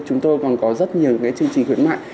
chúng tôi còn có rất nhiều chương trình khuyến mại